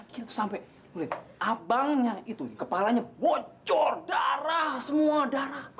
gila tuh sampe ngeliat abangnya itu kepalanya bocor darah semua darah